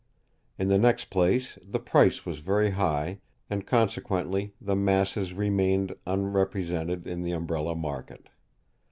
In the next place, the price was very high, and, consequently, the masses remained unrepresented in the Umbrella market.